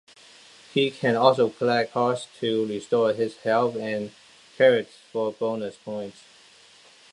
He can also collect hearts to restore his health and carrots for bonus points.